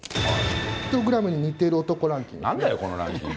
ピクトグラムに似ている男ランキング。